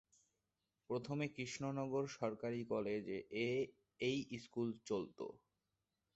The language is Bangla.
প্রথমে কৃষ্ণনগর সরকারি কলেজ এ এই স্কুল চলত।